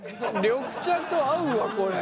緑茶と合うわこれ。